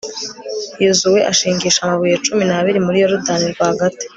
yozuwe ashingisha amabuye cumi n'abiri muri yorudani rwagati